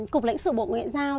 cục lãnh sự bộ ngoại giao